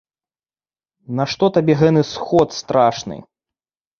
Нашто табе гэны сход страшны?